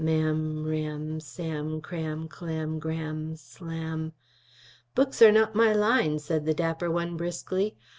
Ma'am, ram, Sam, cram, clam, gram, slam " "Books are not my line," said the dapper one briskly.